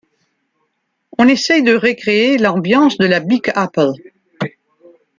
On essaye de recréer l'ambiance de la Big Apple.